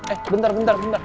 eh bentar bentar bentar